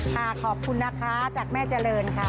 ขอบคุณนะคะจากแม่เจริญค่ะ